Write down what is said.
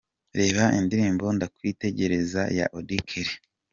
Reba indirimbo "Ndakwitegereza" ya Auddy Kelly.